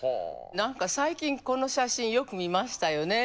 何か最近この写真よく見ましたよね。